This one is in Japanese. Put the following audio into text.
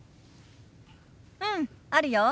うんあるよ。